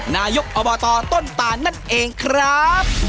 นายกอบตต้นตานนั่นเองครับ